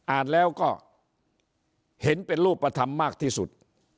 อ่านแล้วก็เห็นเป็นรูปธรรมมากที่สุด